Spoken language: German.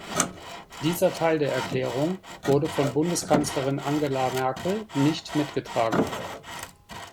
Dieser Teil der Erklärung wurde von Bundeskanzlerin Angela Merkel nicht mitgetragen.